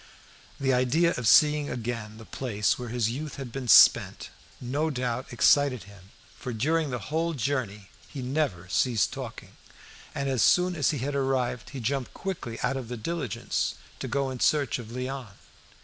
The idea of seeing again the place where his youth had been spent no doubt excited him, for during the whole journey he never ceased talking, and as soon as he had arrived, he jumped quickly out of the diligence to go in search of Léon.